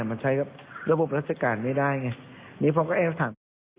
มันใช้ระบบรัฐการณ์ไม่ได้ไงอันนี้ผมก็แอ้วถาม